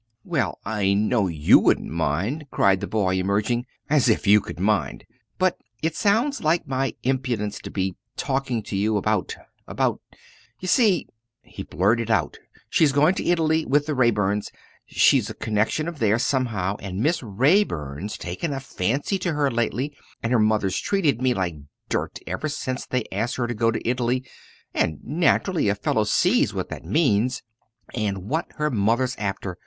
"Well, I know you won't mind!" cried the lad, emerging. "As if you could mind! But it sounds like my impudence to be talking to you about about You see," he blurted out, "she's going to Italy with the Raeburns. She's a connection of theirs, somehow, and Miss Raeburn's taken a fancy to her lately and her mother's treated me like dirt ever since they asked her to go to Italy and naturally a fellow sees what that means and what her mother's after.